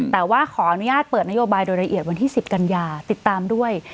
แต่ว่าขออนุญาตเปิดนโยบายโดยละเอียดวันที่๑๐กันยาติดตามด้วย